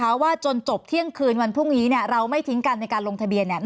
เพราะว่าจนจบเที่ยงคืนวันพรุ่งนี้เนี่ยเราไม่ทิ้งกันในการลงทะเบียนเนี่ย